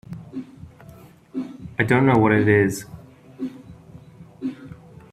I don't know what it is.